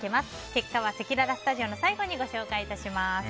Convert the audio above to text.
結果はせきららスタジオの最後にご紹介いたします。